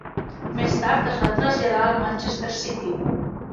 Més tard es va traslladar al Manchester City.